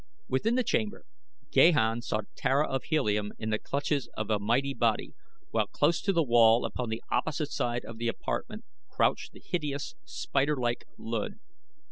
Within the chamber Gahan saw Tara of Helium in the clutches of a mighty body, while close to the wall upon the opposite side of the apartment crouched the hideous, spider like Luud.